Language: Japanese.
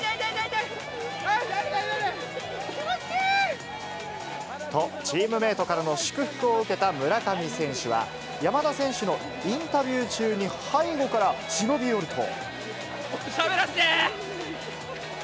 痛い、と、チームメートからの祝福を受けた村上選手は、山田選手のインタビュー中に背後から忍び寄ると。